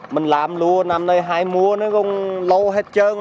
mình làm luôn năm nay hai mùa nữa còn lâu hết trơn